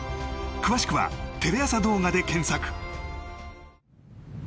詳しくは「テレ朝動画」で検索。